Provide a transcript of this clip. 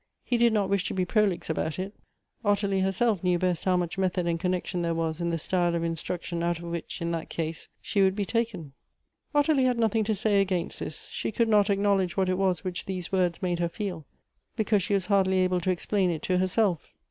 He did not wish to be prolix about it. Ottilie herself knew best how much method and connec tion there was in the style of instruction out of which, in t.hat case, she would be taken. Ottilie had nothing to say against this ; she could not acknowledge what it was which these words made her feel, because she was hardly able to explain it to herself.